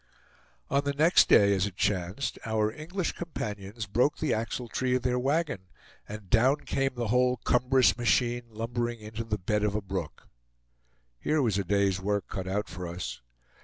On the next day, as it chanced, our English companions broke the axle tree of their wagon, and down came the whole cumbrous machine lumbering into the bed of a brook! Here was a day's work cut out for us.